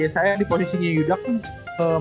saya di posisinya yuda kan